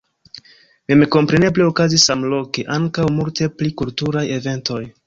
Memkompreneble okazis samloke ankaŭ multe pli kulturaj eventoj.